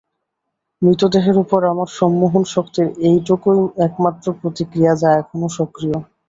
মৃতদেহের ওপর আমার সম্মোহন শক্তির এইটুকুই একমাত্র প্রতিক্রিয়া যা এখনো সক্রিয়।